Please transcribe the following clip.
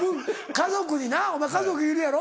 家族になお前家族いるやろ？